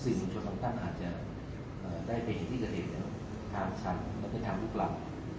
สิ่งที่คุณสัมภัณฑ์อาจจะได้เห็นที่เกิดเห็นทางชั้นและทางลูกหลัง